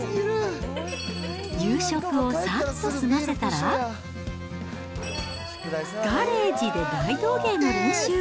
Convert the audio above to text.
夕食をさっと済ませたら、ガレージで大道芸の練習。